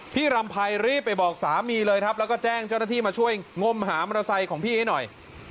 รำไพรรีบไปบอกสามีเลยครับแล้วก็แจ้งเจ้าหน้าที่มาช่วยงมหามอเตอร์ไซค์ของพี่ให้หน่อย